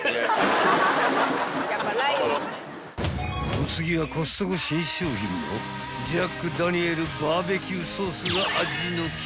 ［お次はコストコ新商品のジャックダニエルバーベキューソースが味の決め手］